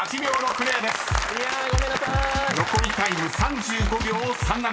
［残りタイム３５秒３７］